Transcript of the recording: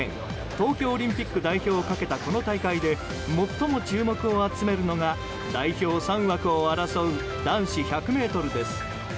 東京オリンピック代表をかけたこの大会で最も注目を集めるのが代表３枠を争う男子１００ｍです。